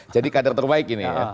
jadi kader terbaik ini ya